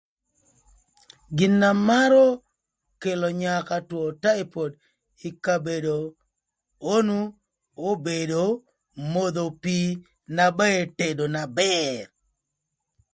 Jö më pacö twërö gïnï jükö awol më cem kï ï pacö ka cë gïn otio kï jami më thëkwarö na cön n'ëkïrö kï cem na path kï koth yen na reco më karë ni.